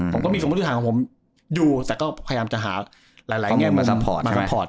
ผมก็มีสมมุติฐานของผมดูแต่ก็พยายามจะหาคชัยมาซัมพอร์ท